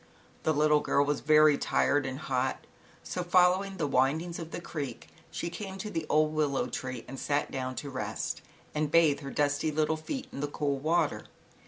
The little girl was very tired and hot, so, following the windings of the creek, ZAUBERLINDA, THE WISE WITCH. 89 she came to the old willow tree and sat down to rest and bathe her dusty little feet in the cool water.